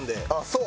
そう。